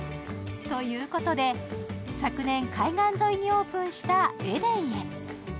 ということで、昨年、海岸沿いにオープンしたｅｄｅｎへ。